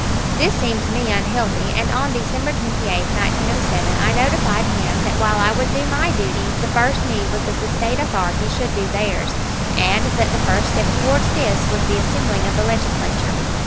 This seemed to me unhealthy, and on December 28, 1907, I notified him that while I would do my duty, the first need was that the State authorities should do theirs, and that the first step towards this was the assembling of the Legislature.